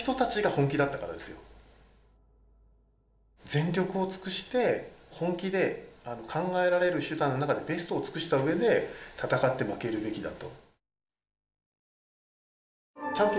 全力を尽くして本気で考えられる手段の中でベストを尽くしたうえで戦って負けるべきだと。